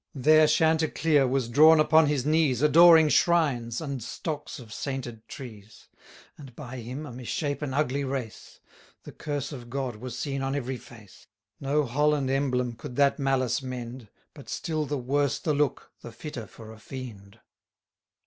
There Chanticleer was drawn upon his knees Adoring shrines, and stocks of sainted trees: And by him, a misshapen, ugly race; The curse of God was seen on every face: No Holland emblem could that malice mend, But still the worse the look, the fitter for a fiend.